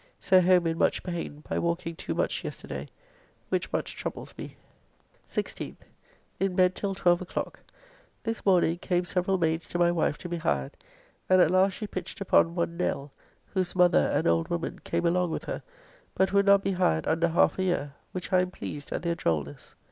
So home in much pain by walking too much yesterday.... which much troubles me. 16th. In bed till 12 o'clock. This morning came several maids to my wife to be hired, and at last she pitched upon one Nell, whose mother, an old woman, came along with her, but would not be hired under half a year, which I am pleased at their drollness.